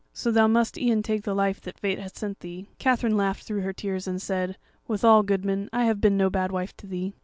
So thou must e'en take the life that fate hath sent thee." Katherine laughed through her tears, and said: "Withal, goodman, I have been no bad wife to thee.